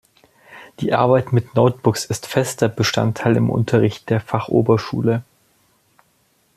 Die Arbeit mit Notebooks ist fester Bestandteil im Unterricht der Fachoberschule.